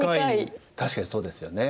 確かにそうですよね。